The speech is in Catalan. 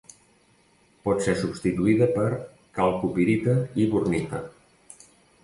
Pot ser substituïda per calcopirita i bornita.